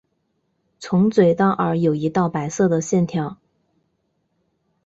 从嘴到耳有一道白色的线条。